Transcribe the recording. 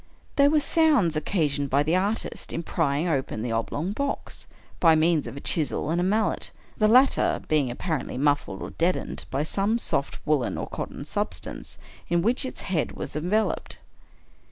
They were sounds occasioned by the artist in prying open the oblong box, by means of a chisel and mallet — the latter being apparently muffled, or deadened, by some soft woolen or cotton substance in which its head was enveloped.